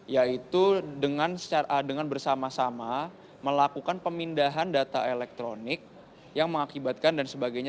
yaitu dengan bersama sama melakukan pemindahan data elektronik yang mengakibatkan dan sebagainya